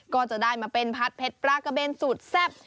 ก็จะได้มาเป็นผัดเผ็ดปลากระเบนสูตรแซ่บ